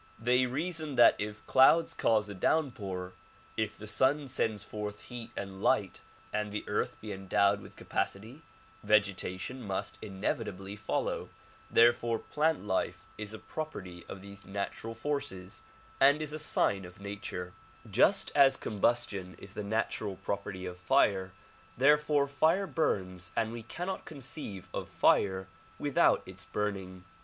They reason that if clouds cause a downpour, if the sun sends forth heat and light and the earth be endowed with capacity, vegetation must inevitably follow; therefore plant life is a property of these natural forces and is a sign of nature; just DISCOURSES DELIVKKED IN CHICAGO 77 as combustion is the natural property of fire, therefore fire burns and we cannot conceive of fire without its burning.